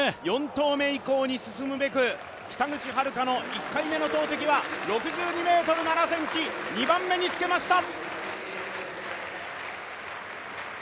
４投目以降に進むべく北口榛花の１回目の投てきは６２ｍ７ｃｍ、２番目につけました。